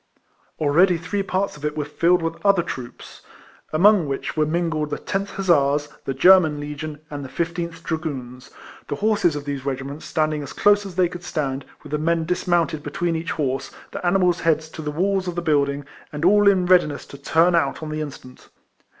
Already three parts of it were filled with other troops, among which were iningled the 10th Hussars, the German Legion, and the 15th Dragoons; the horses of these regiments standing as close as they could stand, with the men dis mounted between each horse, the animals' heads to the w^alls of the building, and all in readiness to turn out on the instant.